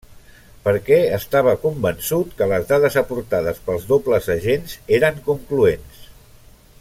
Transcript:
Perquè estava convençut que les dades aportades pels dobles agents, eren concloents.